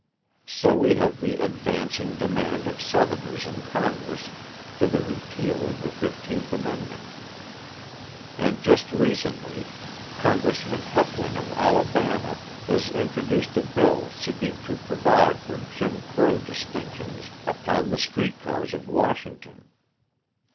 So we have the advancing demand by Southerners in Congress for the repeal of the XV Amendment. And just recently Congressman Heflin of Alabama has introduced a bill seeking to provide for "Jim Crow" distinctions upon the street cars of Washington.